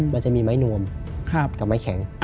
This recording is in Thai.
มันจะมีไม้นวมกับไม้แข็ง